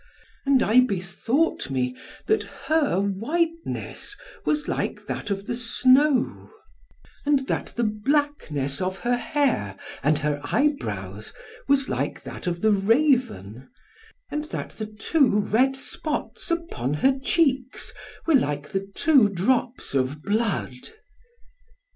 And I bethought me that her whiteness was like that of the snow, and that the blackness of her hair and her eyebrows was like that of the raven, and that the two red spots upon her cheeks were like the two drops of blood."